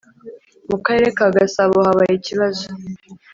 mu Karere ka Gasabo habaye ikibazo